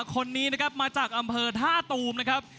คนนี้นะครับมาจากอำเภอท่าตูมนะครับ